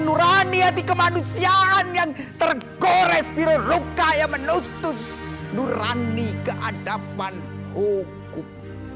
nurani hati kemanusiaan yang tergores biru ruka yang menutup nurani keadaban hukum